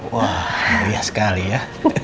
wah meriah sekali ya